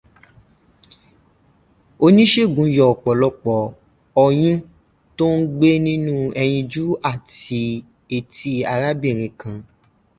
Oníṣègùn yọ ọ̀pọ̀lọpọ̀ ọyún tó n gbé nínú ẹyinjú àti etí arábìnrin kán.